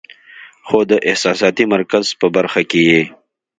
خو د احساساتي مرکز پۀ برخه کې ئې